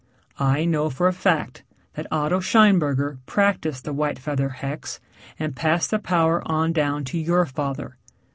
I know for a fact that Otto Scheinberger practiced the white feather hex and passed the power on down to your father.